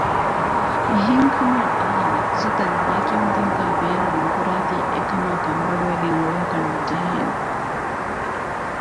އެހެން ކަމުން އާ ލަފުޒުތައް ލިޔެކިޔުންތަކުގައި ބޭނުން ނުކުރާތީ އެކަމާ ކަންބޮޑުވެގެން އުޅޭކަށް ނުޖެހޭނެ